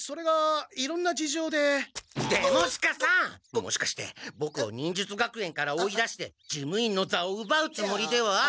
もしかしてボクを忍術学園から追い出して事務員の座をうばうつもりでは？